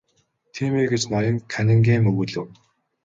Тийм ээ гэж ноён Каннингем өгүүлэв.